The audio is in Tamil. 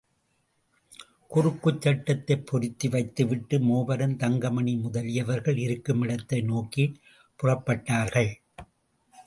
குறுக்குச் சட்டத்தைப் பொருத்திவைத்துவிட்டு மூவரும் தங்கமணி முதலியவர்கள் இருக்குமிடத்தை நோக்கிப் புறப்பட்டார்கள்.